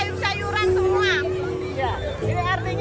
ini artinya apa sih mbak usang usangnya